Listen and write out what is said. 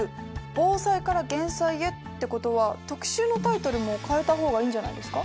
防災から減災へってことは特集のタイトルも変えた方がいいんじゃないですか？